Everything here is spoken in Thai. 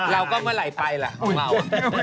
เราก็เมื่อไหร่ไปล่ะคุณบ้าว